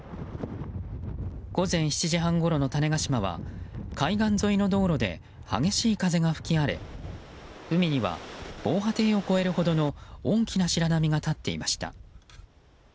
午前７時半ごろの種子島は海岸沿いの道路で激しい風が吹き荒れ海には防波堤を越えるほどの大きな白波が立っていました。